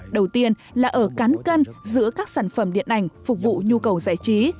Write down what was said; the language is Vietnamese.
đầu tiên là ở cán cân giữa các sản phẩm điện ảnh phục vụ nhu cầu giải trí